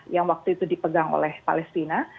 yang waktu itu dipegang oleh palestina